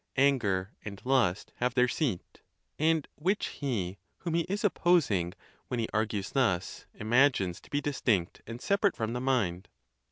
anger and lust, have their seat, and which he whom he is opposing, when he argues thus, imagines to be distinct and separate from the mind.